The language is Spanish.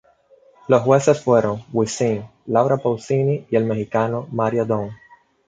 Los jueces fueron Wisin, Laura Pausini y el mexicano Mario Domm.